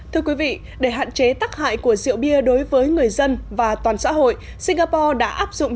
thưa quý vị để hạn chế tắc hại của rượu bia đối với người dân và toàn xã hội singapore đã áp dụng